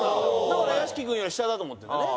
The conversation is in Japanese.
だから屋敷君より下だと思ってるんだね。